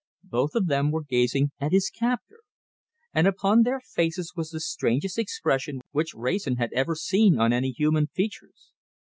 Both of them were gazing at his captor, and upon their faces was the strangest expression which Wrayson had ever seen on any human features.